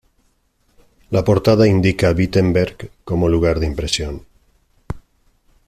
La portada indica Wittenberg como lugar de impresión.